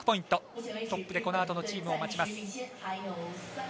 トップでこのあとのチームを待ちます。